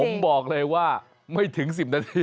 ผมบอกเลยว่าไม่ถึง๑๐นาที